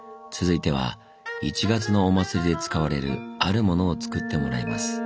続いては１月のお祭りで使われるあるものを作ってもらいます。